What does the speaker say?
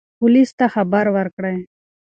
پولیس ته خبر ورکړئ.